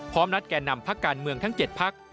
นัดแก่นำพักการเมืองทั้ง๗พัก